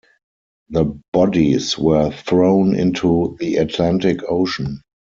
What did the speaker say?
Their bodies were thrown into the Atlantic Ocean.